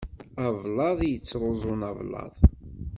Ablaḍ i t-yettruẓen ablaḍ.